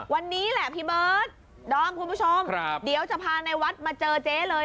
วันนี้แหละพี่เบิร์ดดอมคุณผู้ชมเดี๋ยวจะพาในวัดมาเจอเจ๊เลย